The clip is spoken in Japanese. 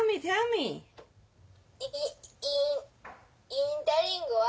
インターリングアは。